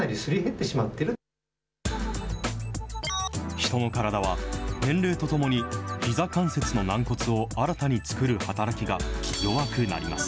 人の体は、年齢とともに、ひざ関節の軟骨を新たに作る働きが弱くなります。